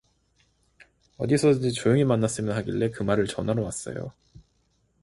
어디서든지 조용히 만났으면 하길래 그 말을 전하러 왔어요.